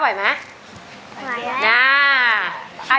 อ่ะยืนขึ้น